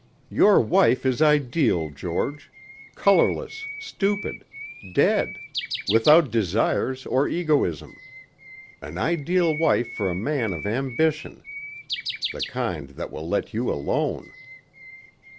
"Your wife is ideal, George. Colorless, stupid. Dead. Without desires or egoism. An ideal wife for a man of ambition. The kind that will let you alone."